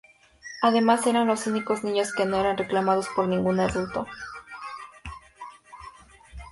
Además, eran los únicos niños que no eran reclamados por ningún adulto.